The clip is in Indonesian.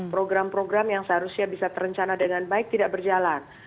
program program yang seharusnya bisa terencana dengan baik tidak berjalan